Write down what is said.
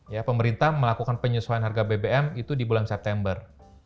ya pemerintah melakukan penyesuaian harga bbm itu di bulan september